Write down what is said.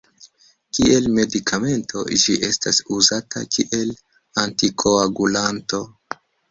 Kiel medikamento ĝi estas uzata kiel antikoagulanto.